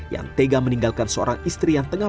yang tega meninggalkan seorang istri yang tengah